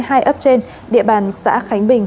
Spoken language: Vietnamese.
hai ấp trên địa bàn xã khánh bình